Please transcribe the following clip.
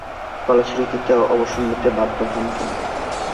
ফলশ্রুতিতে অবসর নিতে বাধ্য হন তিনি।